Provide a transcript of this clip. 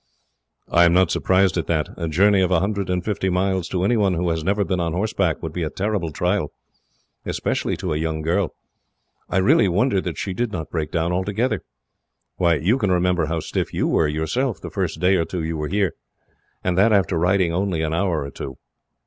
"I am not surprised at that. A journey of a hundred and fifty miles, to anyone who has never been on horseback, would be a terrible trial, especially to a young girl. I really wonder that she did not break down altogether. Why, you can remember how stiff you were, yourself, the first day or two you were here, and that after riding only an hour or two."